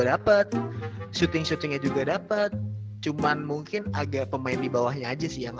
dapet syuting syutingnya juga dapet cuman mungkin agak pemain di bawahnya aja sih yang